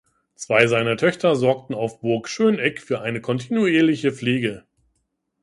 Zwei seiner Töchter sorgten auf Burg Schöneck für eine kontinuierliche Pflege.